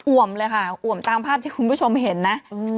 วมเลยค่ะอ่วมตามภาพที่คุณผู้ชมเห็นนะ